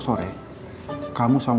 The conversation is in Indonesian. terima kasih pak